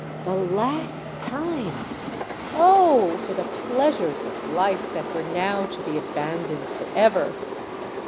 The last time! Oh! for the pleasures of life that were now to be abandoned for ever!